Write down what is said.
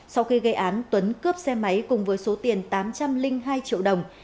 sau khi gây án tuấn cướp xe máy cùng với số tiền tám trăm linh hai triệu đồng